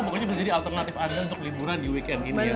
pokoknya bisa jadi alternatif anda untuk liburan di weekend ini ya